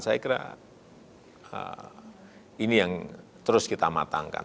saya kira ini yang terus kita matangkan